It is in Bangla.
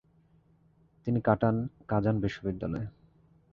তিনি কাটান কাজান বিশ্ববিদ্যালয়ে।